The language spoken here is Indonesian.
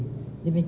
demikian bu menko